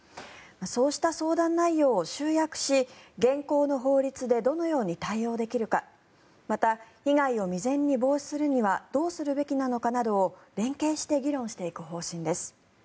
そうした相談内容を集約し現行の法律でどのように対応できるかまた、被害を未然に防止するにはどうするべきなのかなどを連携して議論していく方針です。